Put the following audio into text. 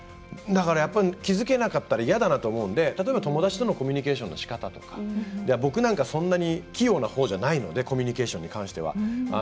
だから、気付けなかったら嫌だなと思うので友達とのコミュニケーションのしかたとか、僕なんかそんなに器用なほうじゃないのでコミュニケーションに関しては。